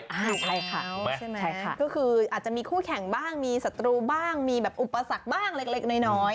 ใช่ค่ะใช่ไหมก็คืออาจจะมีคู่แข่งบ้างมีศัตรูบ้างมีแบบอุปสรรคบ้างเล็กน้อย